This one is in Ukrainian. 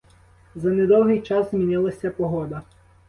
За недовгий час змінилася погода.